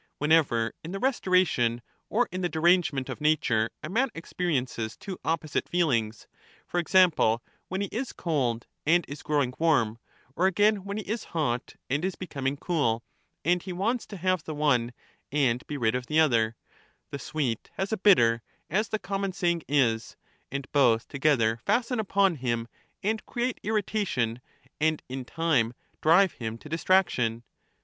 Whenever, in the restoration or in the derangement of nature, a man experiences two opposite feelings; for example, when he is cold and is growing warm, or again, when he is hot and is becoming cool, and he wants to have the one and be rid of the other; — the sweet has a bitter, as the common saying is, and both together fasten upon him and create irritation and in time drive him to distraction.